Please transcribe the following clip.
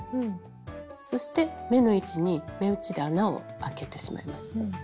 そして目の位置に目打ちで穴をあけてしまいます。